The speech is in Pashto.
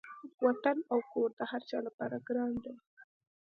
وطن او کور د هر چا لپاره ګران دی.